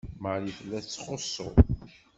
Marie tella txuṣṣu.